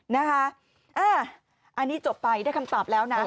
นะคะอันนี้จบไปได้คำตอบแล้วนะ